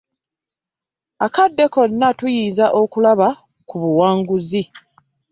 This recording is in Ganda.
Akadde konna tuyinza okulaba ku buwanguzi.